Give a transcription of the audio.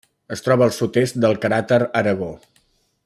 Es troba al sud-est del cràter Aragó.